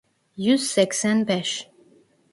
Yüz seksen beş.